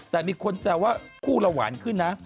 แต่มีคนแซวว่าคู่เราหวานขึ้นนะ